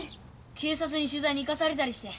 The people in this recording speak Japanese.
警察に取材に行かされたりして。